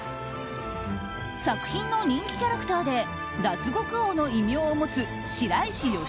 作品の人気キャラクターで脱獄王の異名を持つ白石由